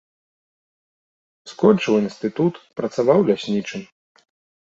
Скончыў інстытут, працаваў ляснічым.